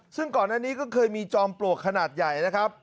ซึ่งก่อนอันนี้ก็เคยมีจอมปลวกขนาดใหญ่นะครับ